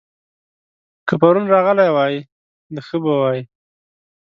که پرون راغلی وای؛ نو ښه به وای